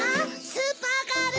スーパーガール？